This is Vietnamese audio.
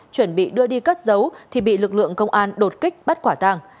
chuẩn bị đưa đi cất giấu thì bị lực lượng công an đột kích bắt quả tàng